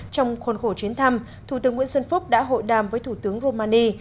trong khuôn khổ chuyến thăm thủ tướng nguyễn xuân phúc đã hội đàm với thủ tướng romani